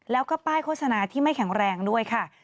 แล้วก็ป้ายโฆษณาที่ไม่แข็งแรงด้วยค่ะ